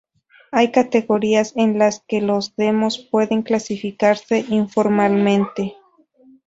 Hay categorías en las que las demos pueden clasificarse informalmente.